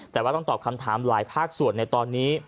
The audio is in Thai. แต่ว่าต้องตอบคำถามหลายภาคส่วนในตอนนี้